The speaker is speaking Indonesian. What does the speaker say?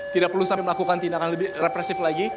tidak perlu sampai melakukan tindakan lebih represif lagi